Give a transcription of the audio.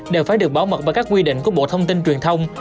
đều phải được báo mật bằng các quy định của bộ thông tin truyền thông